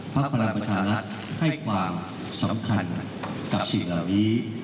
พลังประชารัฐให้ความสำคัญกับสิ่งเหล่านี้